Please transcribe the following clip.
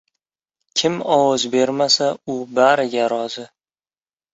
• Kim ovoz bermasa, u bariga rozi.